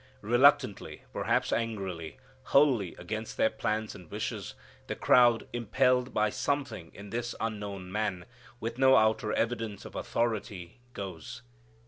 Reluctantly, perhaps angrily, wholly against their plans and wishes, the crowd, impelled by something in this unknown Man, with no outer evidence of authority, goes.